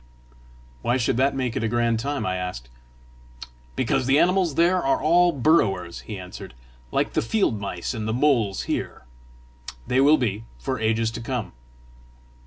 "Why should that make it a grand time?" I asked. "Because the animals there are all burrowers," he answered, " like the field mice and the moles here. They will be, for ages to come."